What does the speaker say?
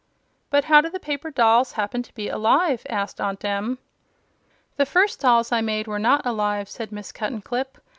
"But how do the paper dolls happen to be alive?" asked Aunt Em. "The first dolls I made were not alive," said Miss Cuttenclip.